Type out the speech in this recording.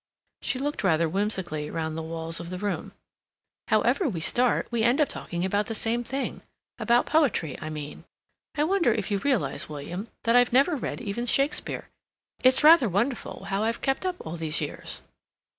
She looked rather whimsically round the walls of the room. "However we start, we end by talking about the same thing—about poetry, I mean. I wonder if you realize, William, that I've never read even Shakespeare? It's rather wonderful how I've kept it up all these years."